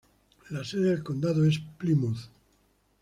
La sede del condado es Plymouth.